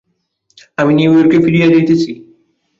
আমি নিউ ইয়র্কে ফিরিয়া যাইতেছি।